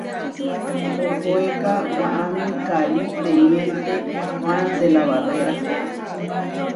Ohoéka waʼámi karí teniénte Huán de la Barréra.